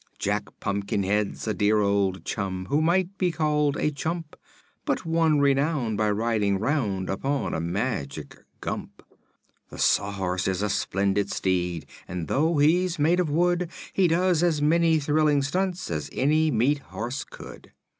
Jack Pumpkinhead's a dear old chum who might be called a chump, But won renown by riding round upon a magic Gump; The Sawhorse is a splendid steed and though he's made of wood He does as many thrilling stunts as any meat horse could.